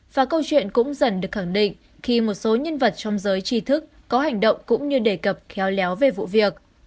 và câu chuyện cũng dần được khẳng định khi một số nhân vật trong giới trí thức có hành động cũng như đề cập khéo léo về vụ việc